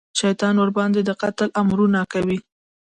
شیطان ورباندې د قتل امرونه کوي.